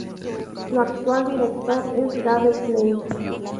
Su actual director es Gabe Klein.